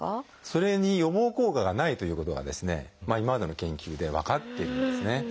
それに予防効果がないということが今までの研究で分かっているんですね。